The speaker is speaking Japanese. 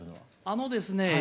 あのですねえ